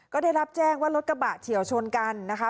ก็ได้รับแจ้งว่ารถกระบะเฉียวชนกันนะคะ